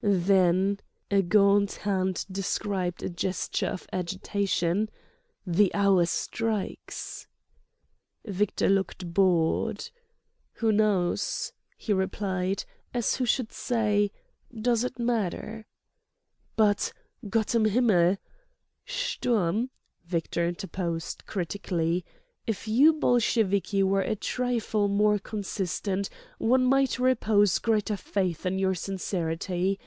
"Then"—a gaunt hand described a gesture of agitation—"the hour strikes!" Victor looked bored. "Who knows?" he replied, as who should say: "Does it matter?" "But—Gott in Himmel—!" "Sturm," Victor interposed, critically, "if you Bolsheviki were a trifle more consistent, one might repose greater faith in your sincerity.